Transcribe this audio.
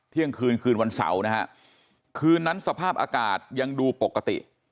เที่ยงคืนคืนวันเสาร์นะฮะคืนนั้นสภาพอากาศยังดูปกติ